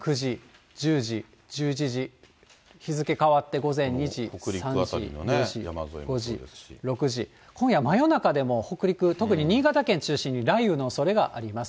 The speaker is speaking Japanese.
９時、１０時、１１時、日付変わって午前２時、３時、４時、６時、今夜、真夜中でも北陸、特に新潟県中心に雷雨のおそれがあります。